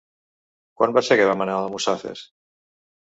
Quan va ser que vam anar a Almussafes?